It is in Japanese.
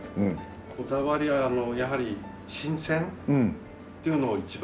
こだわりはやはり新鮮というのを一番に。